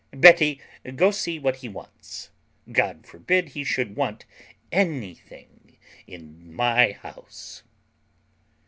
Betty, go see what he wants. God forbid he should want anything in my house."